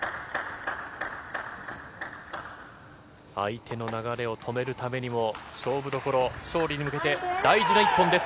相手の流れを止めるためにも、勝負どころ、勝利に向けて、大事な１本です。